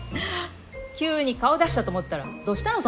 急に顔出したと思ったらどうしたの？